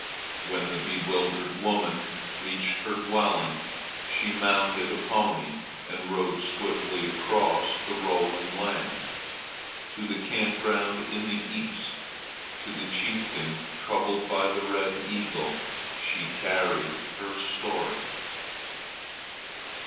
When the bewildered woman reached her dwelling, she mounted a pony and rode swiftly across the rolling land. To the camp ground in the east, to the chieftain troubled by the red eagle, she carried her story.